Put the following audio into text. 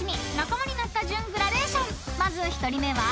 ［まず１人目は］